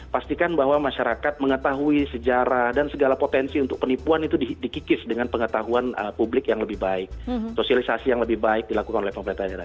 pastikan bahwa masyarakat mengetahui sejarah dan segala potensi untuk penipuan itu dikikis dengan pengetahuan publik yang lebih baik sosialisasi yang lebih baik dilakukan oleh pemerintah daerah